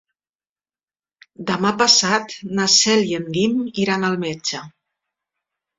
Demà passat na Cel i en Guim iran al metge.